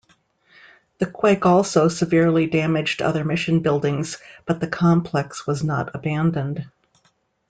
The quake also severely damaged other mission buildings, but the complex was not abandoned.